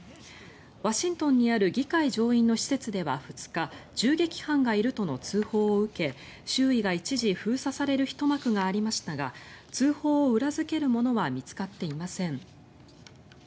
ワシントンにある議会上院の施設では２日銃撃犯がいるとの通報を受け周囲が一時、封鎖されるひと幕がありましたが通報を裏付けるものは見つかっていません。